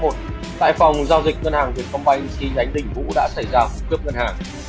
hải phòng giao dịch ngân hàng việt phong bank khi đánh đỉnh vũ đã xảy ra một cướp ngân hàng